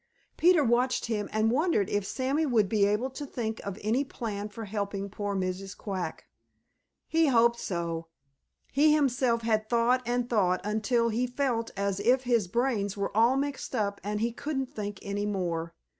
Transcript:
Peter watched him and wondered if Sammy would be able to think of any plan for helping poor Mrs. Quack. He hoped so. He himself had thought and thought until he felt as if his brains were all mixed up and he couldn't think any more.